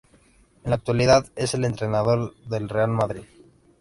En la actualidad es el entrenador del Real Madrid.